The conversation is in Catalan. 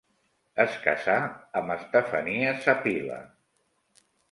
Es casà amb Estefania sa Pila.